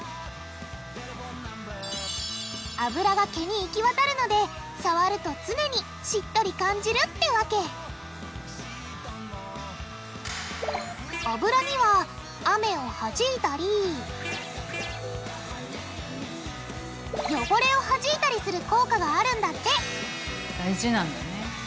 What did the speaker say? あぶらが毛に行き渡るので触ると常にしっとり感じるってわけあぶらには雨をはじいたりよごれをはじいたりする効果があるんだって大事なんだね。